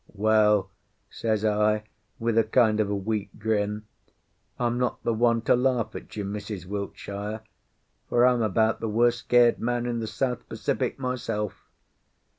"Well," says I, with a kind of a weak grin, "I'm not the one to laugh at you, Mrs. Wiltshire, for I'm about the worst scared man in the South Pacific myself."